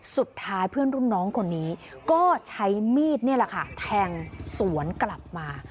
สุดท้ายเพื่อนรุ่นน้องคนนี้ก็ใช้มีดนี่แหละค่ะแทงสวนกลับมา